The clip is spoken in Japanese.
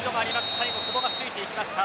最後、久保がついてきました。